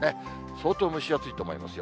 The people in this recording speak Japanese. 相当蒸し暑いと思いますよ。